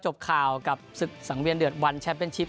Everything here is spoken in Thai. จบข่าวกับศึกสังเวียนเดือดวันแชมป์เป็นชิป